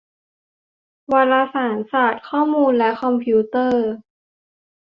วารสารศาสตร์ ข้อมูล และคอมพิวเตอร์